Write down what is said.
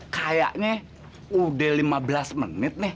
kayaknya udah lima belas menit nih